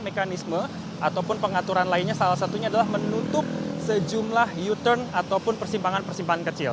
mekanisme ataupun pengaturan lainnya salah satunya adalah menutup sejumlah u turn ataupun persimpangan persimpangan kecil